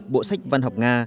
bộ sách văn học nga